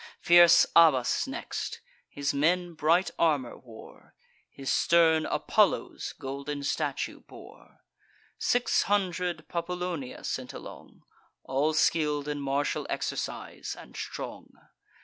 Fierce Abas next: his men bright armour wore; His stern Apollo's golden statue bore. Six hundred Populonia sent along, All skill'd in martial exercise, and strong.